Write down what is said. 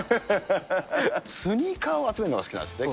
スニーカーを集めるのが好きなんですって？